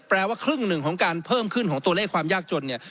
แปลว่าครึ่งหนึ่งของการเพิ่มขึ้นของตัวเลขความยากจนเนี่ย